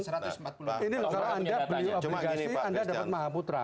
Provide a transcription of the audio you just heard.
ini negara anda beli obligasi anda dapat maha putra